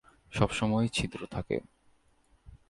সবসময়ই ছিদ্র থাকে।